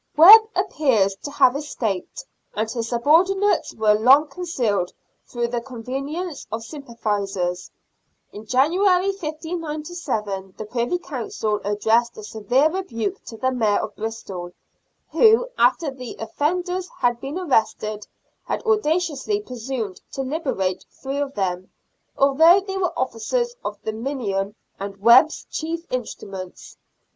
Webb appears to have escaped, and his subordinates were long concealed through the connivance of sympathisers. In January, 1597, the Privy Council addressed a severe rebuke to the Mayor of Bristol, who, after the offenders had been arrested, had audaciously presumed to liberate three of them, although they were officers of the Minion, and Webb's chief instruments.